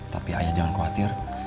tapi ayah jangan khawatir